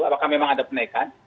apakah memang ada penaikan